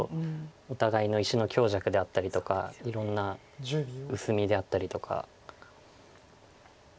お互いの石の強弱であったりとかいろんな薄みであったりとか。